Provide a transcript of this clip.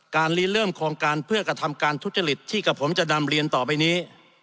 รีเริ่มโครงการเพื่อกระทำการทุจริตที่กับผมจะนำเรียนต่อไปนี้